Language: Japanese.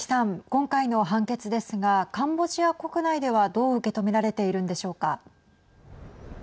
今回の判決ですがカンボジア国内ではどう受け止められているんでしょうか。